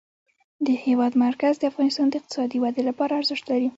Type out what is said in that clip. د هېواد مرکز د افغانستان د اقتصادي ودې لپاره ارزښت لري.